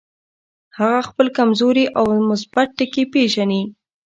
هغه خپل کمزوري او مثبت ټکي پېژني.